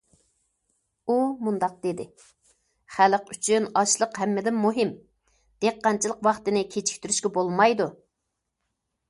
ئۇ مۇنداق دېدى: خەلق ئۈچۈن ئاشلىق ھەممىدىن مۇھىم، دېھقانچىلىق ۋاقتىنى كېچىكتۈرۈشكە بولمايدۇ.